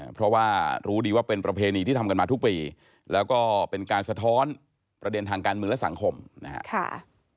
เพราะว่ารู้ดีว่าเป็นประเพณีที่ทำกันมาทุกปีแล้วก็เป็นการสะท้อนประเด็นทางการเมืองและสังคมนะครับ